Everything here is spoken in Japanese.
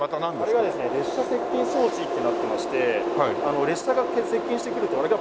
あれがですね列車接近装置ってなってまして列車が接近してくるとあれがピカピカします。